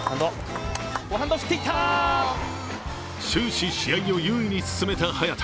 終始、試合を優位に進めた早田。